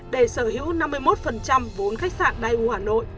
để sở hữu năm mươi một vốn khách sạn daewoo hà nội